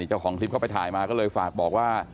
เจ้าของคลิปเขาไปถ่ายมาก็เลยฝากบอกว่า